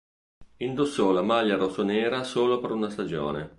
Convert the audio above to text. Indossò la maglia rossonera solo per una stagione.